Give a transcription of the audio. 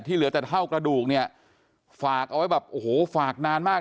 เหลือแต่เท่ากระดูกเนี่ยฝากเอาไว้แบบโอ้โหฝากนานมาก